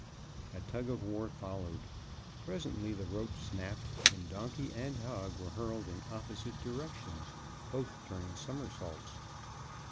A tug of war followed; presently the rope snapped, and donkey and hog were hurled in opposite directions, both turning somersaults.